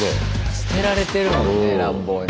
捨てられてるもんね乱暴に。